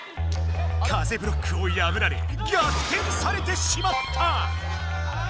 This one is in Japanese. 風ブロックをやぶられ逆転されてしまった！